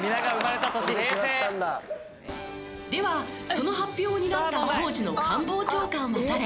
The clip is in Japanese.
その発表を担った当時の官房長官は誰？